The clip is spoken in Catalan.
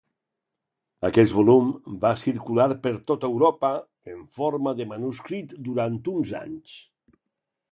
Aquest volum va circular per tota Europa en forma de manuscrit durant uns anys.